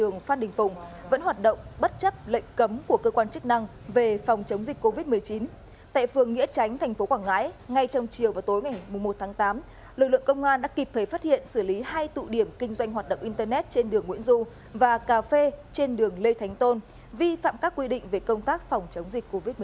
ngay trong chiều và tối ngày một tháng tám lực lượng công an đã kịp thời phát hiện xử lý hai tụ điểm kinh doanh hoạt động internet trên đường nguyễn du và cà phê trên đường lê thánh tôn vi phạm các quy định về công tác phòng chống dịch covid một mươi chín